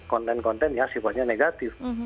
konten konten yang sifatnya negatif